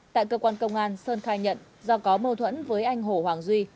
tại cơ quan công an sơn khai nhận do có mâu thuẫn với anh hồ hoàng duy